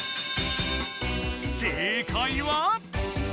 正解は？